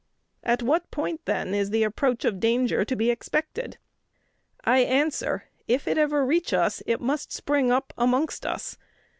"At what point, then, is the approach of danger to be expected? I answer, if it ever reach us, it must spring up amongst us.